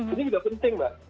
ini juga penting mbak